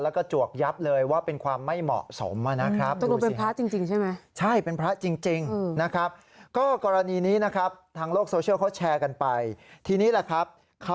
แล้วก็จวกยับเลยว่าเป็นความไม่เหมาะสมนะครับ